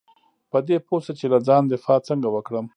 په دې پوه شه چې له ځانه دفاع څنګه وکړم .